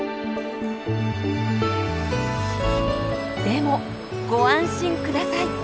でもご安心下さい。